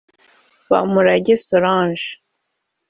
Bamurange Solange